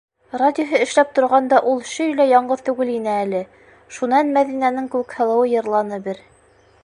Радиоһы эшләп торғанда ул шөйлә яңғыҙ түгел ине әле: шунан Мәҙинәнең Күкһылыуы йырланы бер.